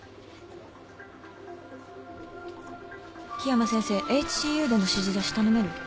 緋山先生ＨＣＵでの指示出し頼める？